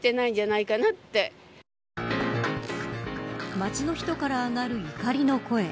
街の人から上がる怒りの声。